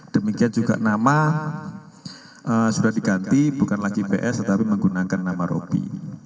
demikian juga nama sudah diganti bukan lagi ps tetapi menggunakan nama rocky